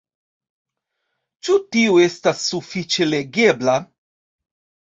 Ĉu tio estas sufiĉe legebla?